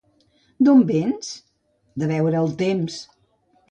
—D'on vens? —De veure el temps.